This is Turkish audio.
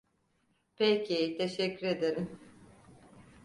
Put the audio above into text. Peki, teşekkür ederim.